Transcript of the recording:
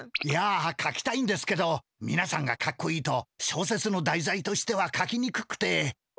いや書きたいんですけどみなさんがかっこいいと小説の題材としては書きにくくて。